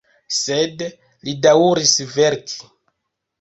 Sed li daŭris verki.